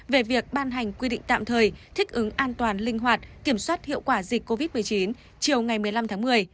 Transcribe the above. về việc ban hành quy định tạm thời thích ứng an toàn linh hoạt kiểm soát hiệu quả dịch covid một mươi chín chiều ngày một mươi năm tháng một mươi